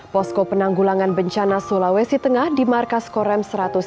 posko penanggulangan bencana sulawesi tengah di markas korem satu ratus tiga puluh dua